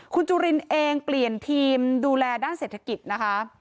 คุณจุลินเองเปลี่ยนทีมดูแลด้านเศรษฐกิจนะคะ